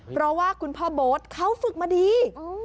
เพราะว่าคุณพ่อโบ๊ทเขาฝึกมาดี